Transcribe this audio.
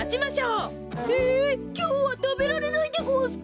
ええきょうはたべられないでごわすか！